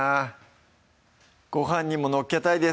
ごはんにも載っけたいです